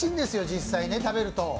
実際食べると。